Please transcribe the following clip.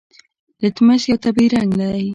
لتمس یو طبیعي رنګ دی.